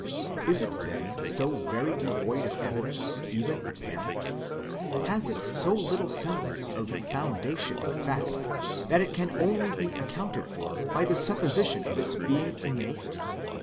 Is it then so very devoid of evidence, even apparent? Has it so little sem blance of foundation in fact, that it can only be ac GENERAL CONSENT OF MANKIND 157 counted for by the supposition of its being innate?